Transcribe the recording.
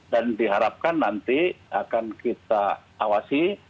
dan diharapkan nanti akan kita awasi